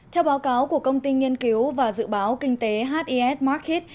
theo báo cáo của công ty nghiên cứu và dự báo kinh tế his market